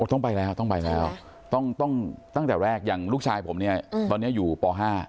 ต้องไปแล้วต้องไปแล้วต้องตั้งแต่แรกอย่างลูกชายผมเนี่ยตอนนี้อยู่ป๕